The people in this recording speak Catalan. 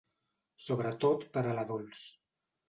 Sobretot per a la Dols.